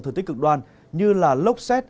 thời tiết cực đoan như lốc xét